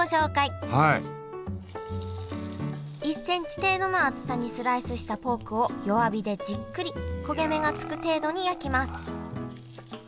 １センチ程度の厚さにスライスしたポークを弱火でじっくり焦げ目がつく程度に焼きます